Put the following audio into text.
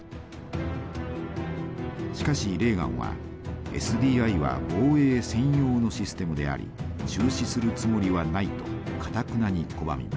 しかしレーガンはＳＤＩは防衛専用のシステムであり中止するつもりはないとかたくなに拒みます。